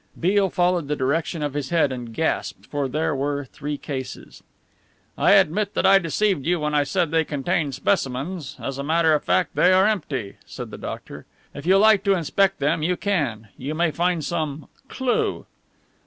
Beale followed the direction of his head and gasped, for there were three cases. "I admit that I deceived you when I said they contained specimens. As a matter of fact, they are empty," said the doctor. "If you like to inspect them, you can. You may find some clue!"